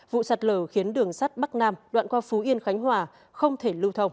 vụ sạt lở khiến đường sắt bắc nam đoạn qua phú yên khánh hòa không thể lưu thông